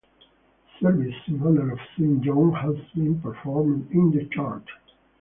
A service in honor of St. John has been performed in the church.